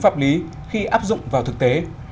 những pháp lý khi áp dụng vào thực tế